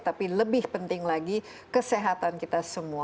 tapi lebih penting lagi kesehatan kita semua